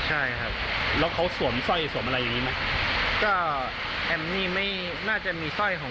ใช่ครับเขาสวมสร้อยสวมอะไรอย่างนี้ไหม